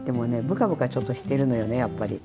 ぶかぶかちょっとしてるのよねやっぱり。